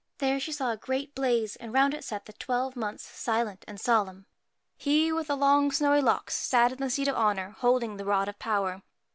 There she saw a great blaze, and round it sat the twelve Months, silent and solemn. He with the long snowy locks sat on the seat of honour, holding the rod of power.